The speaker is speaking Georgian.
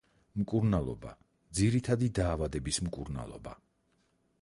მკურნალობა: ძირითადი დაავადების მკურნალობა.